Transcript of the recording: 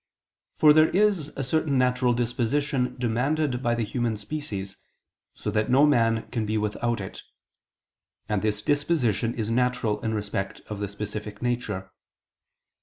For there is a certain natural disposition demanded by the human species, so that no man can be without it. And this disposition is natural in respect of the specific nature.